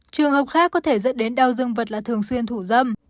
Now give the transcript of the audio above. trường hợp khác có thể dẫn đến đau dương vật là thường xuyên thủ dâm